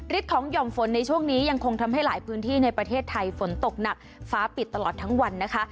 ของหย่อมฝนในช่วงนี้ยังคงทำให้หลายพื้นที่ในประเทศไทยฝนตกหนักฟ้าปิดตลอดทั้งวันนะคะ